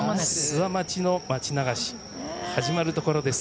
諏訪町の町流し始まるところです。